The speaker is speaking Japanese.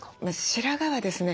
白髪はですね